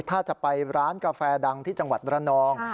ถ้าจะไปร้านกาแฟดังที่จังหวัดระนอง